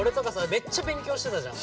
めっちゃ勉強してたじゃん。